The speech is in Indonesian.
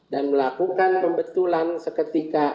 dan melakukan pembetulan seketika